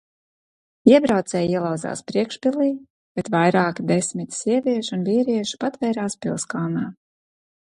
Iebrucēji ielauzās priekšpilī, bet vairāki desmiti sieviešu un vīriešu patvērās pilskalnā.